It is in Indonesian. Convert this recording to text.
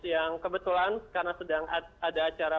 yang kebetulan karena sedang ada acara